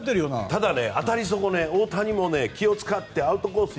ただ、当たりそこね大谷も気を使ってアウトコース